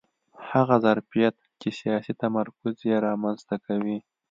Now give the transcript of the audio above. هغه ظرفیت چې سیاسي تمرکز یې رامنځته کوي